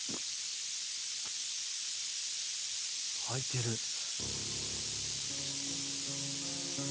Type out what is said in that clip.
開いてる。